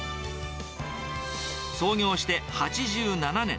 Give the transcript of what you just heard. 創業して８７年。